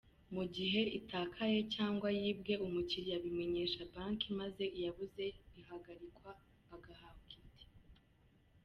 Mu gihe itakaye cyangwa yibwe, umukiriya abimenyesha Banki maze iyabuze ihagarikwa agahabwa indi.